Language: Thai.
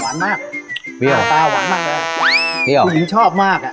หวานมากเปรี้ยวอ่ะอ่าววันมากแล้วเหรอเปรี้ยวคุณหนึ่งชอบมาก